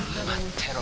てろ